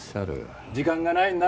時間がないんだ。